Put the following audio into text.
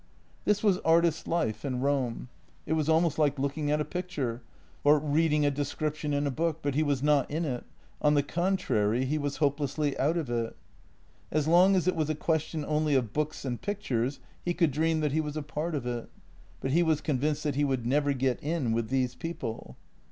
This was artist life in Rome. It was almost like looking at a picture or reading a description in a book, but he was not in it — on the contrary, he was hopelessly out of it. As long as it was a question only of books and pictures, he could dream that he was a part of it, but he was convinced that he would never get in with these people.